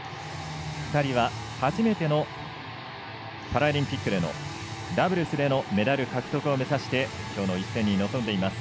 ２人は初めてのパラリンピックでのダブルスでのメダル獲得を目指してきょうの一戦に臨んでいます。